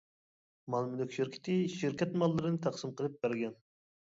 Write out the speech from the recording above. مال-مۈلۈك شىركىتى شىركەت ماللىرىنى تەقسىم قىلىپ بەرگەن.